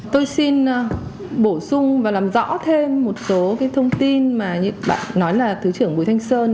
tôi xin bổ sung và làm rõ thêm một số cái thông tin mà như bạn nói là thứ trưởng bùi thanh sơn